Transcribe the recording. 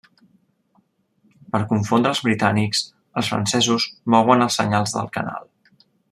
Per confondre els britànics, els francesos mouen els senyals del canal.